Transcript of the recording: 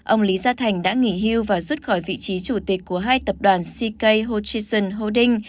ông lý gia thành đã nghỉ hưu và rút khỏi vị trí chủ tịch của hai tập đoàn sik hochition holding